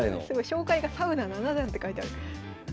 紹介が「サウナ七段」って書いてある。